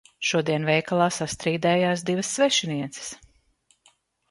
Šodien veikalā sastrīdējās divas svešinieces.